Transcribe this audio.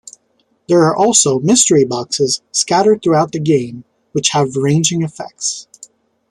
There are also "mystery boxes" scattered throughout the game, which have ranging effects.